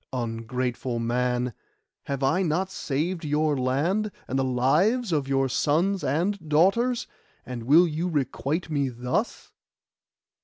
Ungrateful man! have I not saved your land, and the lives of your sons and daughters, and will you requite me thus?